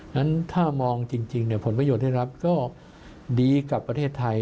นั้นถ้ามองจริงผลประโยชน์ได้รับก็ดีกับประเทศไทย